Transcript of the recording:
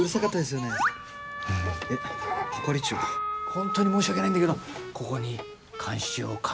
本当に申し訳ないんだけどここに監視用カメラを。